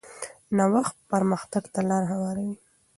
نوښت پرمختګ ته لار هواروي.